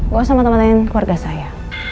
gue sama temen lain keluarga saya